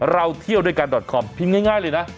เราเที่ยวด้วยการดอตคอมพิมพ์ง่ายเลยนะ